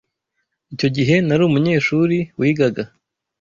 Icyo gihe nari umunyeshuri wigaga.